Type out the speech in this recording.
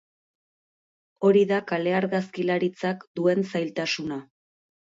Hori da kale-argazkilaritzak duen zailtasuna.